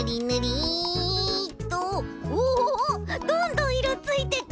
おどんどんいろついてく。